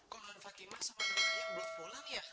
kalo wan fatimah sama nek naya